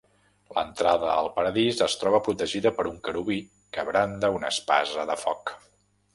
L'entrada al Paradís es troba protegida per un querubí que branda una espasa de foc.